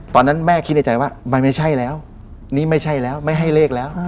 ตอนนั้นแม่คิดในใจว่ามันไม่ใช่แล้วนี่ไม่ใช่แล้วไม่ให้เลขแล้ว